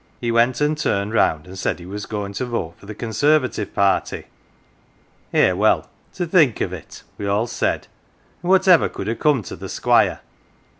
he went an' turned round and said he was goin' to vote for the Conservative party. Eh, well, to think of it ! we all said, and what ever could have come to the Squire